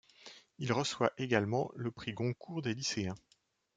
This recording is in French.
Il reçoit également le prix Goncourt des lycéens.